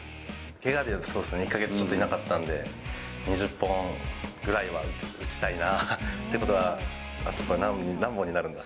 けがで、１か月ちょっといなかったんで、２０本ぐらいは打ちたいな。ってことは、あとこれ、何本になるんだ？